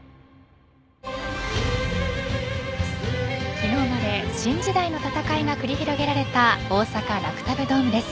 昨日まで新時代の戦いが繰り広げられた大阪・ＲＡＣＴＡＢドームです。